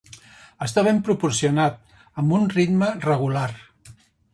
Està ben proporcionat, amb un ritme regular.